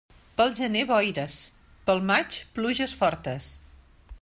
Pel gener boires, pel maig pluges fortes.